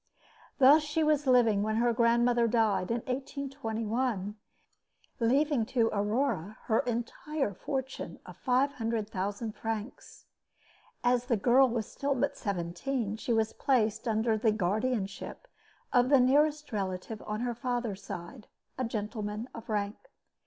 Thus she was living when her grandmother died, in 1821, leaving to Aurore her entire fortune of five hundred thousand francs. As the girl was still but seventeen, she was placed under the guardianship of the nearest relative on her father's side a gentleman of rank.